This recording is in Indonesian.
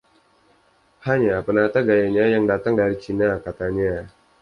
Hanya penata gayanya yang datang dari Cina, katanya.